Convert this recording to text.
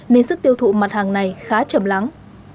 nên sức tiêu thụ mặt hàng này khá chầm lắng